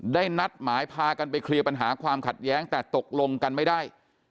นัดหมายพากันไปเคลียร์ปัญหาความขัดแย้งแต่ตกลงกันไม่ได้